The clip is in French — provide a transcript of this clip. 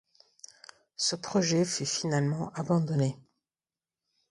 Ce projet fut finalement abandonné.